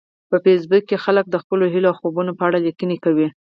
په فېسبوک کې خلک د خپلو هیلو او خوبونو په اړه لیکنې کوي